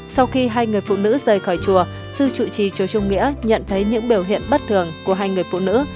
sau khi hai người phụ nữ rời khỏi chùa sư trụ trì chùa trung nghĩa nhận thấy những biểu hiện bất thường của hai người phụ nữ